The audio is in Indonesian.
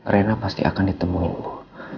rina pasti akan ditemuin bu